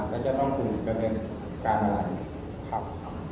และจะต้องถูกดำเนินการอะไรครับ